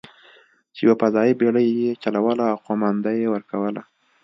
چې یوه فضايي بېړۍ یې چلوله او قومانده یې ورکوله.